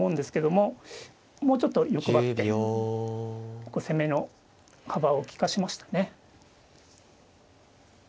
もうちょっと欲張って攻めの幅を利かしましたね。